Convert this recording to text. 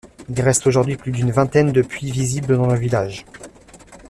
Il reste aujourd'hui plus d'une vingtaine de puits visibles dans le village.